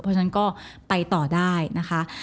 เพราะฉะนั้นก็ไปต่อได้นะคะ